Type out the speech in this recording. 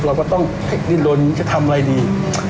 เราก็ต้องเทคนิดล้นจะทำอะไรดี